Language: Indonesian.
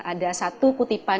ada satu kutipan